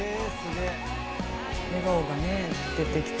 笑顔がね出てきて。